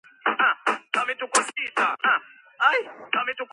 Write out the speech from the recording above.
ესაზღვრება ანტვერპენი, აღმოსავლეთი ფლანდრია, ვალონიის ბრაბანტი, ლიეჟი და ლიმბურგი.